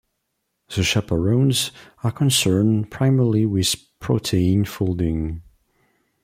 The chaperones are concerned primarily with protein folding.